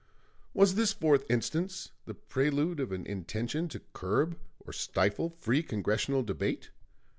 Was this fourth instance the prelude of an intention to curb or stifle free Congressional debate?